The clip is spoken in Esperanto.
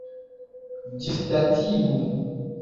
Ĝisdatigu!